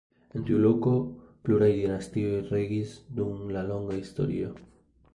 En tiu loko pluraj dinastioj regis dum la longa historio.